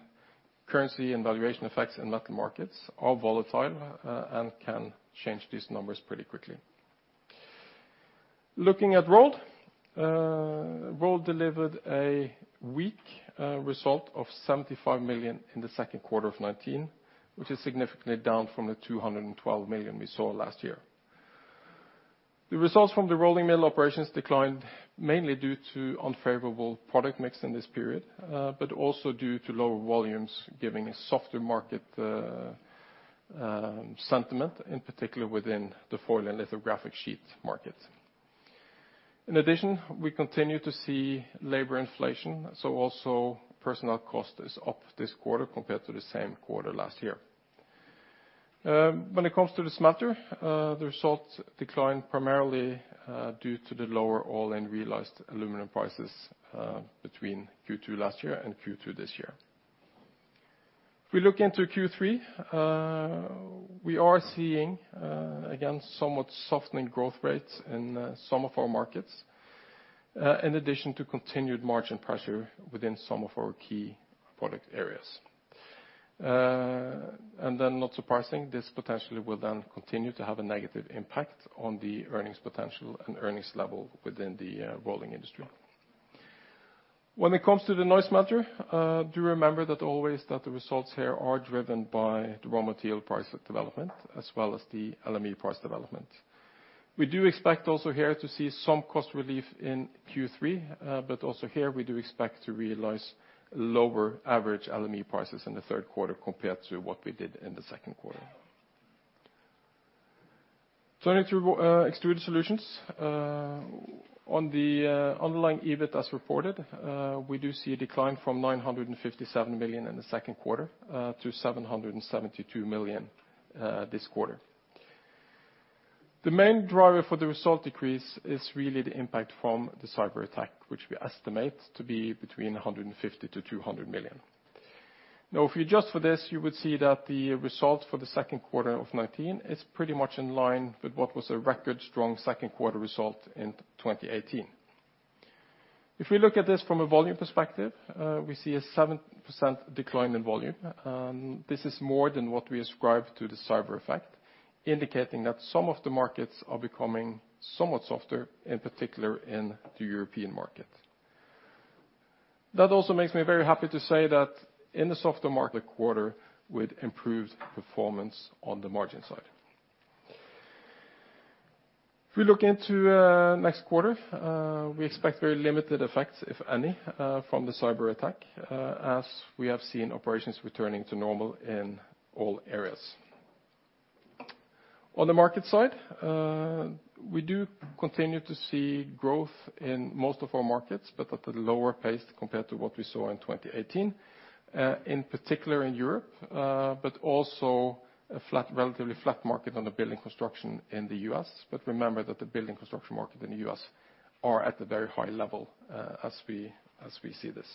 currency and valuation effects in Metal Markets are volatile and can change these numbers pretty quickly. Looking at Rolled. Rolled delivered a weak result of 75 million in the second quarter of 2019, which is significantly down from the 212 million we saw last year. The results from the rolling mill operations declined mainly due to unfavorable product mix in this period, but also due to lower volumes giving a softer market sentiment, in particular within the foil and lithographic sheet market. In addition, we continue to see labor inflation, so also personal cost is up this quarter compared to the same quarter last year. When it comes to the smelter, the results declined primarily due to the lower all-in realized aluminum prices between Q2 last year and Q2 this year. If we look into Q3, we are seeing again somewhat softening growth rates in some of our markets, in addition to continued margin pressure within some of our key product areas. Not surprising, this potentially will then continue to have a negative impact on the earnings potential and earnings level within the rolling industry. When it comes to the Metal Markets, do remember that always that the results here are driven by the raw material price development, as well as the LME price development. We do expect also here to see some cost relief in Q3, also here we do expect to realize lower average LME prices in the third quarter compared to what we did in the second quarter. Turning to Extruded Solutions. On the underlying EBIT as reported, we do see a decline from 957 million in the second quarter to 772 million this quarter. The main driver for the result decrease is really the impact from the cyberattack, which we estimate to be between 150 million-200 million. If we adjust for this, you would see that the result for the second quarter of 2019 is pretty much in line with what was a record strong second quarter result in 2018. If we look at this from a volume perspective, we see a 7% decline in volume. This is more than what we ascribe to the cyber effect, indicating that some of the markets are becoming somewhat softer, in particular in the European market. Also makes me very happy to say that in the softer market quarter with improved performance on the margin side. If we look into next quarter, we expect very limited effects, if any, from the cyberattack, as we have seen operations returning to normal in all areas. On the market side, we do continue to see growth in most of our markets, but at a lower pace compared to what we saw in 2018. In particular in Europe, also a relatively flat market on the building construction in the U.S., remember that the building construction market in the U.S. are at a very high level as we see this.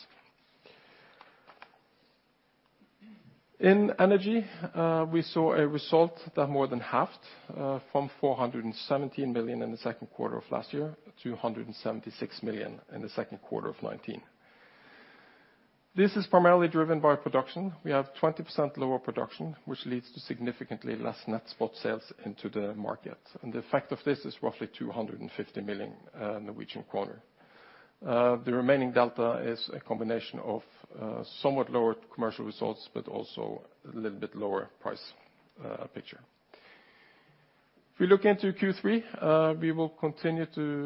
In energy, we saw a result that more than halved from 417 million in the second quarter of last year to 176 million in the second quarter of 2019. This is primarily driven by production. We have 20% lower production, which leads to significantly less net spot sales into the market. The effect of this is roughly 250 million Norwegian kroner. The remaining delta is a combination of somewhat lower commercial results, but also a little bit lower price picture. If we look into Q3, we will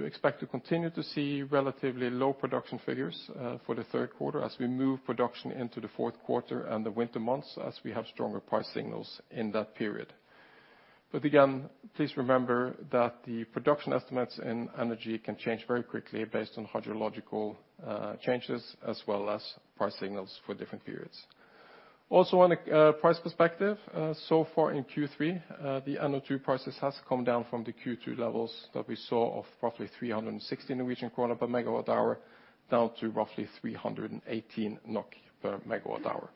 expect to continue to see relatively low production figures for the third quarter as we move production into the fourth quarter and the winter months, as we have stronger price signals in that period. Again, please remember that the production estimates in energy can change very quickly based on hydrological changes as well as price signals for different periods. On a price perspective, so far in Q3, the NO2 prices has come down from the Q2 levels that we saw of roughly 360 Norwegian kroner per megawatt hour, down to roughly 318 NOK per megawatt hour.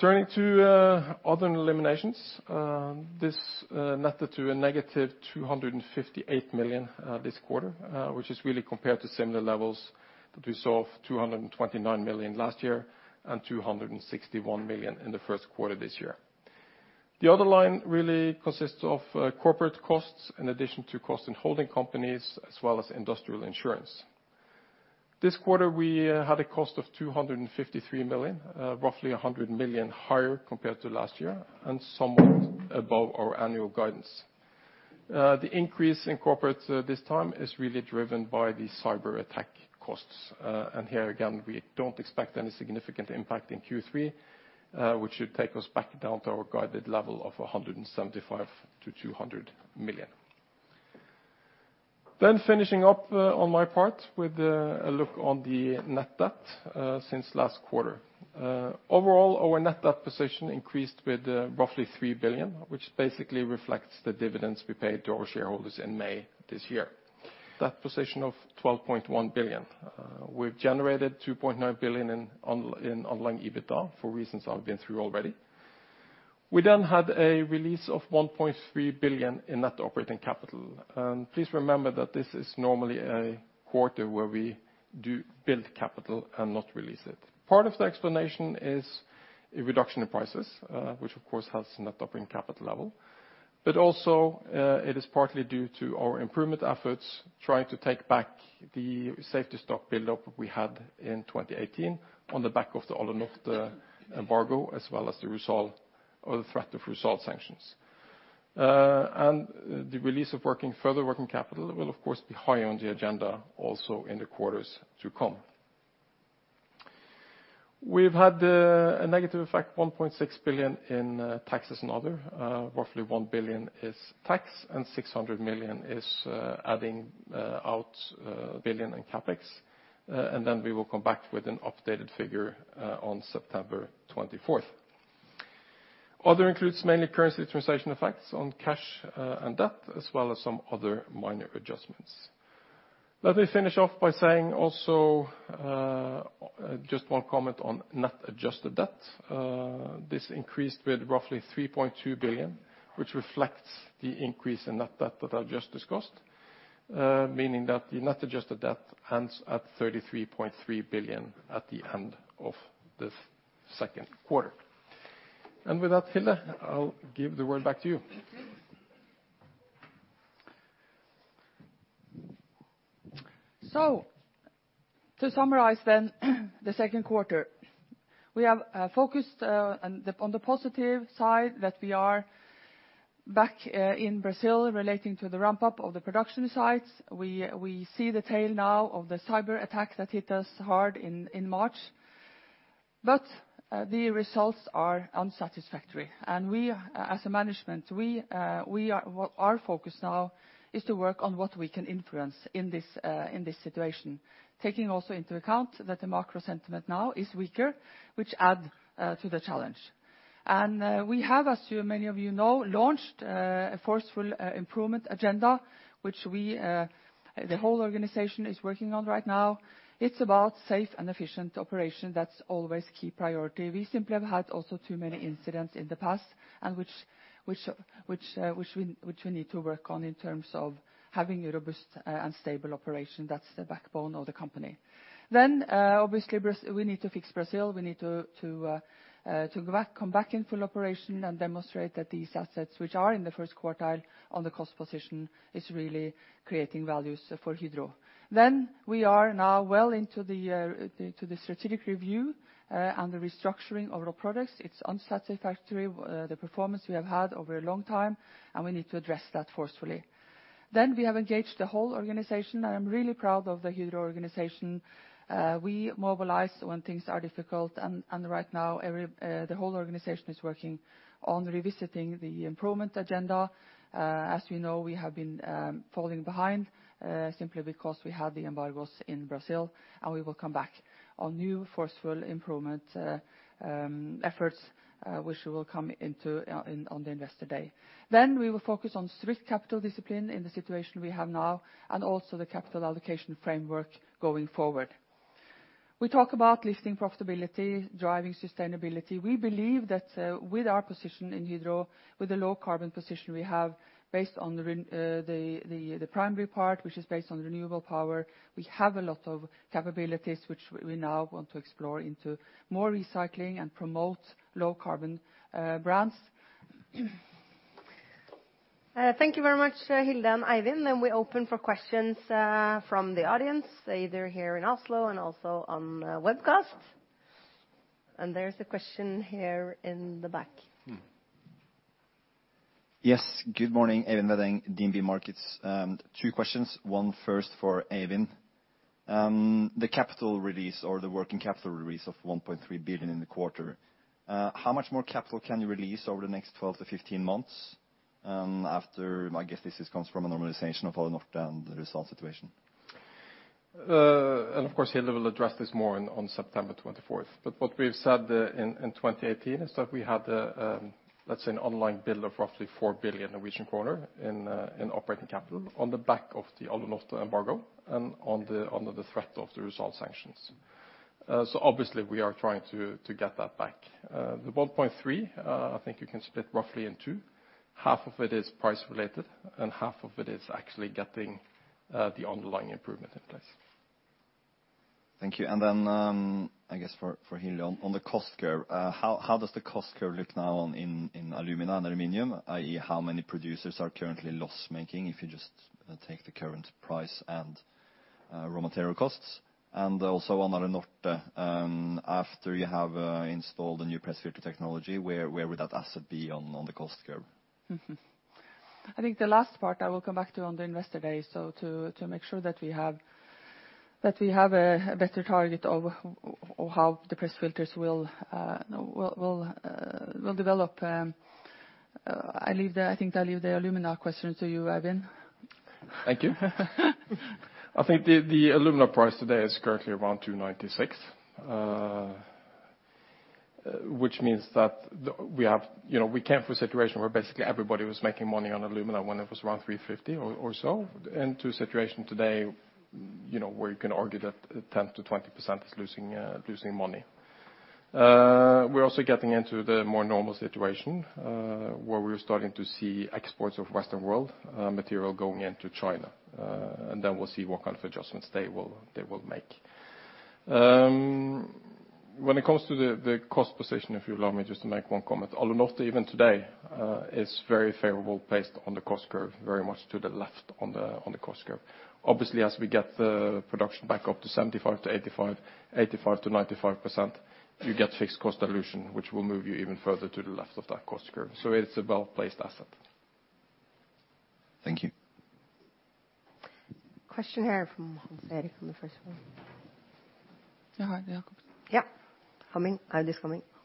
Turning to other eliminations. This netted to a negative 258 million this quarter, which is really compared to similar levels that we saw of 229 million last year, and 261 million in the first quarter this year. The other line really consists of corporate costs in addition to cost in holding companies as well as industrial insurance. This quarter, we had a cost of 253 million, roughly 100 million higher compared to last year, and somewhat above our annual guidance. The increase in corporate this time is really driven by the cyber attack costs. Here again, we don't expect any significant impact in Q3, which should take us back down to our guided level of 175 million to 200 million. Finishing up on my part with a look on the net debt since last quarter. Overall, our net debt position increased with roughly 3 billion, which basically reflects the dividends we paid to our shareholders in May this year. Debt position of 12.1 billion. We've generated 2.9 billion in underlying EBITDA for reasons I've been through already. We had a release of 1.3 billion in net operating capital. Please remember that this is normally a quarter where we do build capital and not release it. Part of the explanation is a reduction in prices, which, of course, helps net operating capital level. Also, it is partly due to our improvement efforts, trying to take back the safety stock buildup we had in 2018 on the back of the Alunorte embargo, as well as the RUSAL, or the threat of RUSAL sanctions. The release of further working capital will, of course, be high on the agenda also in the quarters to come. We've had a negative effect, 1.6 billion in taxes and other. Roughly 1 billion is tax, and 600 million is adding out billion in CapEx. Then we will come back with an updated figure on September 24th, 2019. Other includes mainly currency translation effects on cash and debt, as well as some other minor adjustments. Let me finish off by saying also just one comment on net adjusted debt. This increased with roughly 3.2 billion, which reflects the increase in net debt that I've just discussed, meaning that the net adjusted debt ends at 33.3 billion at the end of the second quarter. With that, Hilde, I'll give the word back to you. Thank you. To summarize the second quarter. We have focused on the positive side that we are back in Brazil relating to the ramp-up of the production sites. We see the tail now of the cyberattack that hit us hard in March. The results are unsatisfactory. We as a management, our focus now is to work on what we can influence in this situation, taking also into account that the macro sentiment now is weaker, which add to the challenge. We have, as many of you know, launched a forceful improvement agenda, which the whole organization is working on right now. It's about safe and efficient operation. That's always key priority. We simply have had also too many incidents in the past and which we need to work on in terms of having a robust and stable operation that's the backbone of the company. Obviously, we need to fix Brazil. We need to come back in full operation and demonstrate that these assets, which are in the first quartile on the cost position, is really creating values for Hydro. We are now well into the strategic review and the restructuring of Rolled Products. It's unsatisfactory, the performance we have had over a long time, and we need to address that forcefully. We have engaged the whole organization. I am really proud of the Hydro organization. We mobilize when things are difficult, and right now, the whole organization is working on revisiting the improvement agenda. As we know, we have been falling behind simply because we had the embargoes in Brazil, and we will come back on new forceful improvement efforts which will come into on the Investor Day. We will focus on strict capital discipline in the situation we have now and also the capital allocation framework going forward. We talk about lifting profitability, driving sustainability. We believe that with our position in Hydro, with the low carbon position we have based on the primary part, which is based on renewable power, we have a lot of capabilities which we now want to explore into more recycling and promote low carbon brands. Thank you very much, Hilde and Eivind. We open for questions from the audience, either here in Oslo and also on webcast. There is a question here in the back. Yes. Good morning. Eivind Veddeng, DNB Markets. Two questions, one first for Eivind. The capital release or the working capital release of 1.3 billion in the quarter, how much more capital can you release over the next 12-15 months? After, I guess this comes from a normalization of Alunorte and the result situation. Of course, Hilde will address this more on September 24th, 2019. What we've said in 2018 is that we had, let's say an online bill of roughly 4 billion Norwegian kroner in operating capital on the back of the Alunorte embargo and under the threat of the RUSAL sanctions. Obviously, we are trying to get that back. The 1.3, I think you can split roughly in two. Half of it is price-related, and half of it is actually getting the underlying improvement in place. Thank you. I guess for Hilde, on the cost curve. How does the cost curve look now in alumina and aluminum, i.e., how many producers are currently loss-making? If you just take the current price and raw material costs. On Alunorte, after you have installed the new press filter technology, where would that asset be on the cost curve? I think the last part I will come back to on the Investor Day, so to make sure that we have a better target of how the press filters will develop. I think I'll leave the alumina question to you, Eivind. Thank you. I think the alumina price today is currently around $296, which means that we came from a situation where basically everybody was making money on alumina when it was around $350 or so, into a situation today where you can argue that 10% to 20% is losing money. We're also getting into the more normal situation, where we're starting to see exports of Western world material going into China, then we'll see what kind of adjustments they will make. When it comes to the cost position, if you allow me just to make one comment, Alunorte, even today, is very favorable based on the cost curve, very much to the left on the cost curve. As we get the production back up to 75%-85%, 85%-95%, you get fixed cost dilution, which will move you even further to the left of that cost curve. It's a well-placed asset. Thank you. Question here from Hans Erik in the first row. Yeah. Coming. I'll just coming. Hans-Erik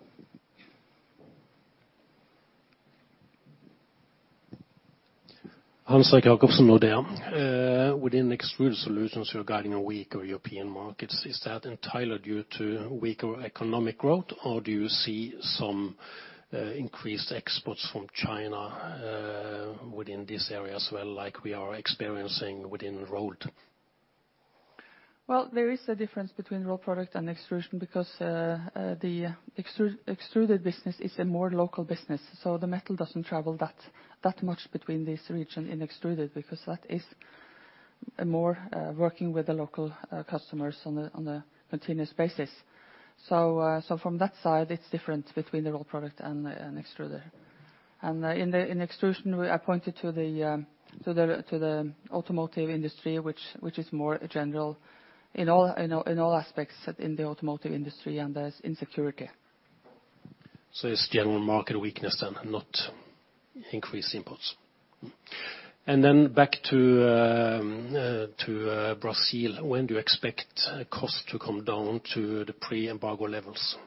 Jacobsen, Nordea. Within Extruded Solutions, you're guiding weaker European markets. Is that entirely due to weaker economic growth, or do you see some increased exports from China within this area as well, like we are experiencing within Rolled? Well, there is a difference between Rolled Products and Extruded Solutions because the Extruded Solutions business is a more local business. The metal doesn't travel that much between this region in Extruded Solutions because that is more working with the local customers on a continuous basis. From that side, it's different between the Rolled Products and Extruded Solutions. In Extruded Solutions, I pointed to the automotive industry, which is more general in all aspects in the automotive industry, and there's insecurity. It's general market weakness then, not increased imports? Back to Brazil. When do you expect cost to come down to the pre-embargo levels?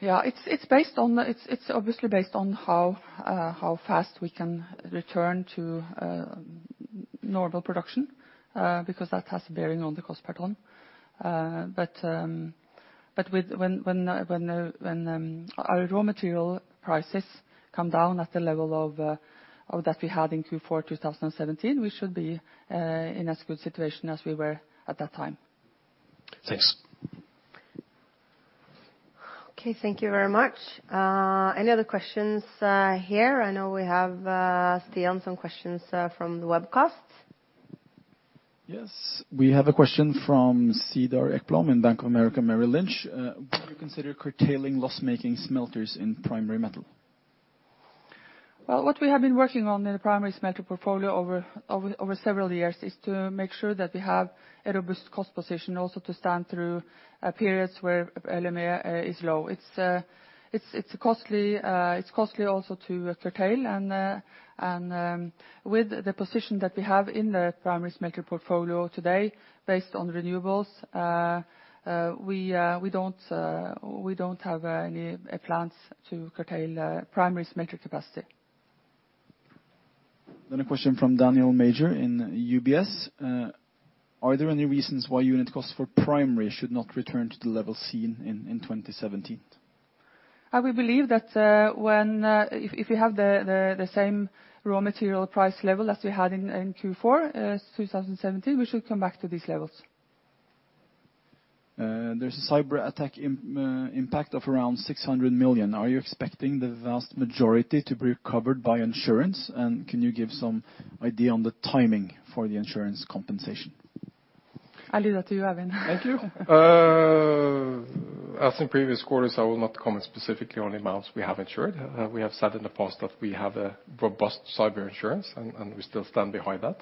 Yeah. It's obviously based on how fast we can return to normal production, because that has a bearing on the cost per ton. When our raw material prices come down at the level that we had in Q4 2017, we should be in as good situation as we were at that time. Thanks. Okay, thank you very much. Any other questions here? I know we have, Stian, some questions from the webcast. Yes. We have a question from Cedar Ekblom in Bank of America Merrill Lynch. Would you consider curtailing loss-making smelters in Primary Metal? Well, what we have been working on in the primary smelter portfolio over several years is to make sure that we have a robust cost position also to stand through periods where LME is low. It's costly also to curtail, and with the position that we have in the primary smelter portfolio today, based on renewables, we don't have any plans to curtail primary smelter capacity. A question from Daniel Major in UBS. Are there any reasons why unit costs for primary should not return to the level seen in 2017? We believe that if we have the same raw material price level as we had in Q4 2017, we should come back to these levels. There's a cyber attack impact of around 600 million. Are you expecting the vast majority to be covered by insurance? Can you give some idea on the timing for the insurance compensation? I leave that to you, Eivind. Thank you. As in previous quarters, I will not comment specifically on amounts we have insured. We have said in the past that we have a robust cyber insurance, and we still stand behind that.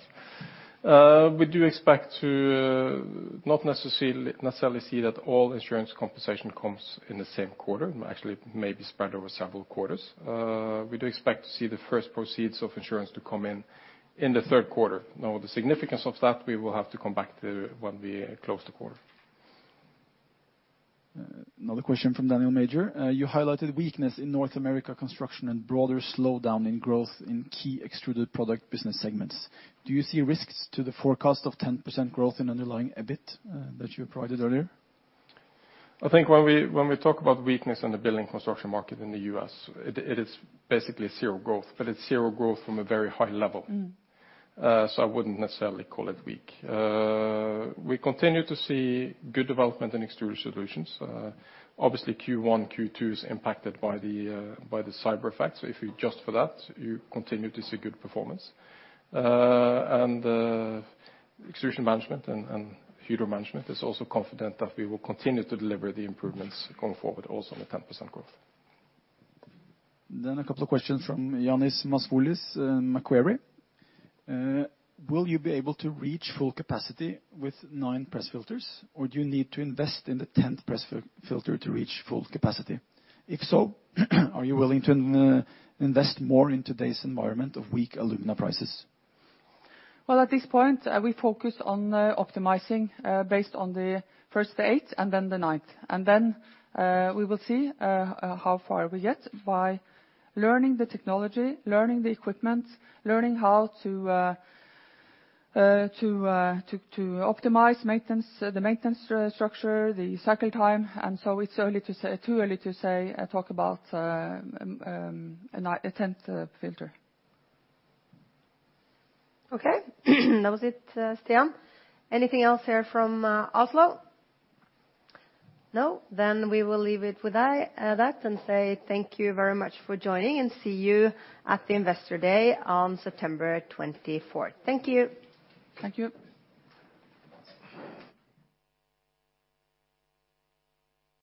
We do expect to not necessarily see that all insurance compensation comes in the same quarter, actually it may be spread over several quarters. We do expect to see the first proceeds of insurance to come in the third quarter. The significance of that, we will have to come back to when we close the quarter. Another question from Daniel Major. You highlighted weakness in North America construction and broader slowdown in growth in key extruded product business segments. Do you see risks to the forecast of 10% growth in underlying EBIT that you provided earlier? I think when we talk about weakness in the building construction market in the U.S., it is basically zero growth. It's zero growth from a very high level. I wouldn't necessarily call it weak. We continue to see good development in Extruded Solutions. Obviously Q1, Q2 is impacted by the cyber effect. If you adjust for that, you continue to see good performance. Extrusion Management and Hydro Management is also confident that we will continue to deliver the improvements going forward, also in the 10% growth. A couple of questions from Ioannis Masoulas, Macquarie. Will you be able to reach full capacity with nine press filters, or do you need to invest in the 10th press filter to reach full capacity? If so, are you willing to invest more in today's environment of weak alumina prices? Well, at this point, we focus on optimizing based on the first eight and then the ninth. We will see how far we get by learning the technology, learning the equipment, learning how to optimize the maintenance structure, the cycle time. It's too early to talk about a 10th filter. Okay. That was it, Stian. Anything else here from Oslo? No, then we will leave it with that, and say thank you very much for joining and see you at the Investor Day on September 24th, 2019. Thank you.